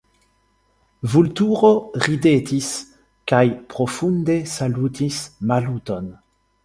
Vulturo ridetis kaj profunde salutis Maluton.